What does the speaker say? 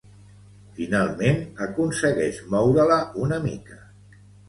Finalment aconsegueix moure-la una mica.